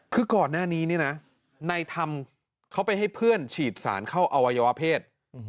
คือก่อนหน้านี้นี่นะในธรรมเขาไปให้เพื่อนฉีดสารเข้าอวัยวเพศ